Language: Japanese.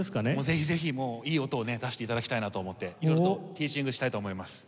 ぜひぜひもういい音をね出して頂きたいなと思って色々とティーチングしたいと思います。